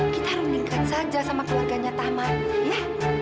kita renungkan saja sama keluarganya tamar ya